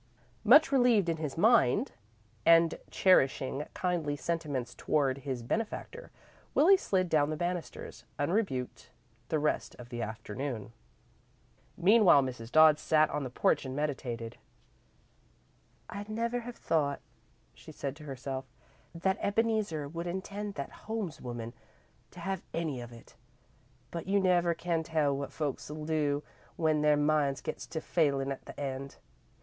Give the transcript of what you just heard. Much relieved in his mind and cherishing kindly sentiments toward his benefactor, Willie slid down the banisters, unrebuked, the rest of the afternoon. Meanwhile Mrs. Dodd sat on the porch and meditated. "I'd never have thought," she said to herself, "that Ebeneezer would intend that Holmes woman to have any of it, but you never can tell what folks'll do when their minds gets to failin' at the end.